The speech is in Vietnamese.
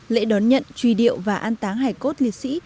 lễ đón nhận truy điệu và an táng hải cốt liệt sĩ